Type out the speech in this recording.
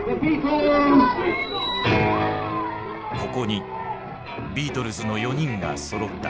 ここにビートルズの４人がそろった。